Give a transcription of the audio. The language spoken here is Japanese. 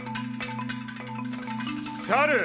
猿！